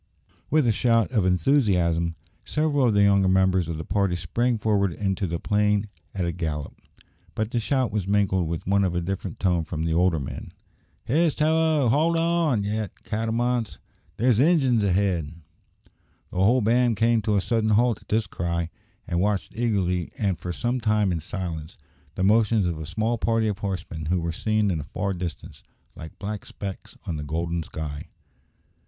With a shout of enthusiasm, several of the younger members of the party sprang forward into the plain at a gallop; but the shout was mingled with one of a different tone from the older men. "Hist! hallo! hold on, ye catamounts! There's Injuns ahead!" The whole band came to a sudden halt at this cry, and watched eagerly, and for some time in silence, the motions of a small party of horsemen who were seen in the far distance, like black specks on the golden sky.